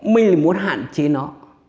mình là muốn hạn chế nó